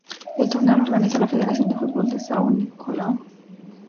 El torneo lo organiza la federación de fútbol de São Nicolau.